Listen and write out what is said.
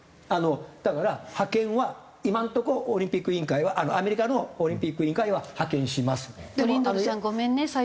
だから派遣は今のとこオリンピック委員会はアメリカのオリンピック委員会は「派遣します」って。